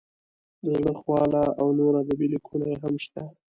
د زړه خواله او نور ادبي لیکونه یې هم شته.